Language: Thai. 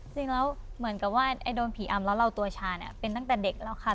จริงแล้วเหมือนกับว่าโดนผีอำแล้วเราตัวชาเนี่ยเป็นตั้งแต่เด็กแล้วค่ะ